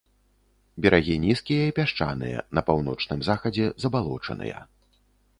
Берагі нізкія і пясчаныя, на паўночным захадзе забалочаныя.